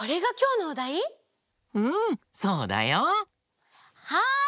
うんそうだよ。はい！